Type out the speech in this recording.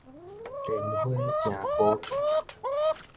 蓮花成寶鏡